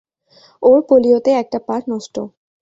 ওর পোলিওতে একটা পা নষ্ট।